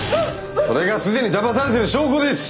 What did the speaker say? それが既にだまされてる証拠です！